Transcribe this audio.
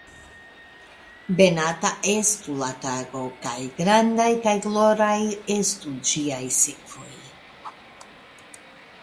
Benata estu la tago, kaj grandaj kaj gloraj estu ĝiaj sekvoj!